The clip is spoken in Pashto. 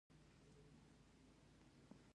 د نوکانو د سپینیدو لپاره د لیمو اوبه وکاروئ